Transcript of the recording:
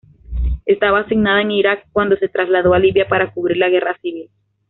Estaba asignada en Iraq cuando se trasladó a Libia para cubrir la guerra civil.